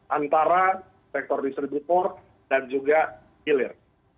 antara sektor distributor dan juga hilir